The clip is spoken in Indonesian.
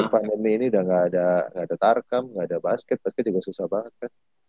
pandemi ini udah ga ada tarkam ga ada basket basket juga susah banget kan